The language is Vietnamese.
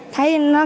thấy nó khá là vui